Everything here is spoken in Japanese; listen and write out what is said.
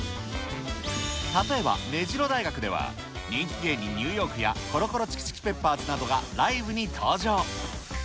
例えば、目白大学では、人気芸人、ニューヨークや、コロコロチキチキペッパーズなどがライブに登場。